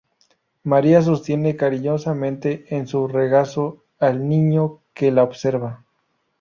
María sostiene cariñosamente en su regazo al Niño, que la observa.